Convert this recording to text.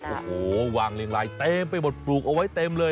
โอ้โหวางเรียงลายเต็มไปหมดปลูกเอาไว้เต็มเลย